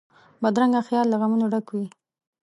بدرنګه خیال له غمونو ډک وي